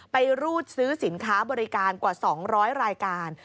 รูดซื้อสินค้าบริการกว่า๒๐๐รายการ